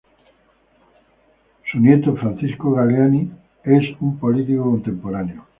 Su nieto Francisco Gallinal es un político contemporáneo.